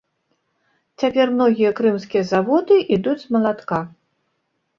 Цяпер многія крымскія заводы ідуць з малатка.